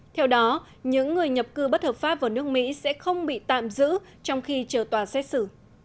theo đó những người nhập cư bất hợp pháp vào nước mỹ sẽ không bị tạm giữ trong khi chờ tòa xét xử